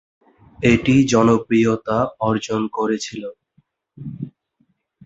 এটি জনপ্রিয়তা অর্জন করেছিল।